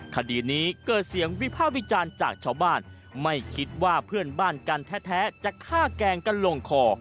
คดีนี้เกิดเสียงวิพากษ์วิจารณ์จากชาวบ้านไม่คิดว่าเพื่อนบ้านกันแท้จะฆ่าแกล้งกันลงคอ